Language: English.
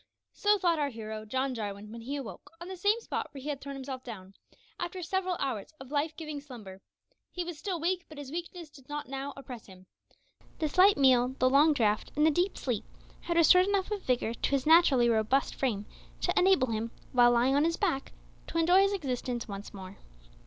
So thought our hero, John Jarwin, when he awoke, on the same spot where he had thrown himself down, after several hours of life giving slumber. He was still weak, but his weakness did not now oppress him. The slight meal, the long draught, and the deep sleep, had restored enough of vigour to his naturally robust frame to enable him, while lying on his back, to enjoy his existence once more.